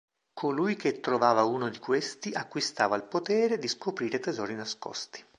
Colui che trovava uno di questi acquistava il potere di scoprire tesori nascosti.